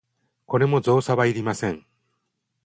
これも造作はいりません。